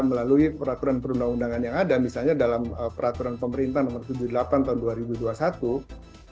melalui peraturan perundang undangan yang ada misalnya dalam peraturan pemerintah nomor tujuh puluh delapan tahun dua ribu dua puluh satu